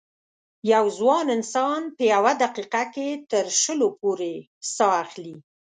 یو ځوان انسان په یوه دقیقه کې تر شلو پورې سا اخلي.